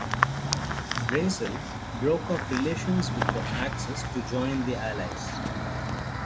Brazil broke off relations with the Axis to join the Allies.